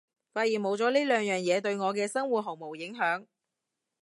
發現冇咗呢兩樣嘢對我嘅生活毫無影響